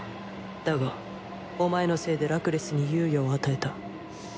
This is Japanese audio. だがお前のせいでラクレスに猶予を与えた。